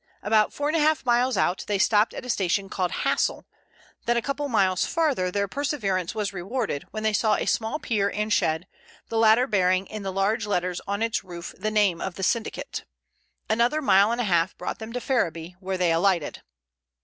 About four and a half miles out they stopped at a station called Hassle, then a couple of miles farther their perseverance was rewarded and they saw a small pier and shed, the latter bearing in large letters on its roof the name of the syndicate. Another mile and a half brought them to Ferriby, where they alighted.